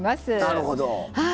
なるほど。